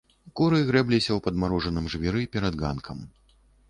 Куры грэбліся ў падмарожаным жвіры перад ганкам.